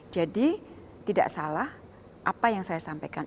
jadi tidak salah apa yang saya sampaikan